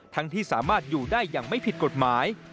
ที่สามารถอยู่ได้อย่างไม่ผิดกฎหมาย